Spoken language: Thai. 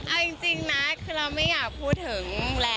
เอาจริงนะคือเราไม่อยากพูดถึงแหละ